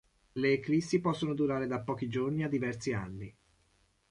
Le eclissi possono durare da pochi giorni a diversi anni.